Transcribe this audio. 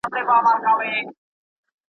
که یې ځای وو لویي وني په ځنګلوکي ,